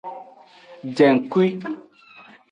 Jengkui.